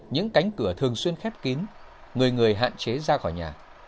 những cánh cửa thường xuyên khép kín người người hạn chế ra khỏi nhà